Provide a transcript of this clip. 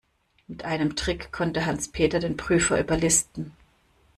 Mit einem Trick konnte Hans-Peter den Prüfer überlisten.